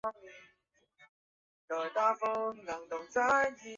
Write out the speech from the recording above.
大圆颌针鱼为颌针鱼科圆颌针鱼属的鱼类。